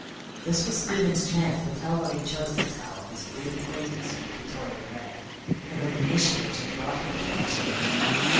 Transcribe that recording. This was Stephen's chance to tell what he chose to tell of his brief acquaintance with Victoria Ray, and of the mission which had brought her to Algiers.